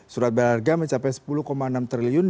surat berharga mencapai sepuluh enam triliun